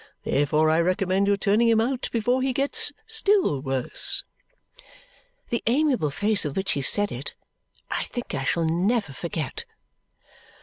Therefore I recommend your turning him out before he gets still worse." The amiable face with which he said it, I think I shall never forget.